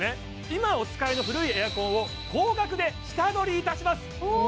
今お使いの古いエアコンを高額で下取りいたします！